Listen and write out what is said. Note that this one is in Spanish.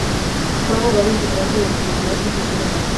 Fue abogado integrante del Tribunal Constitucional.